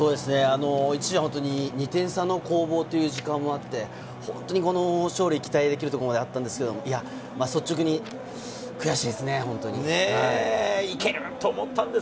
一時は２点差の攻防という時間もあって、本当にこの勝利を期待できるところもあったんですけれども、率直に悔しいですね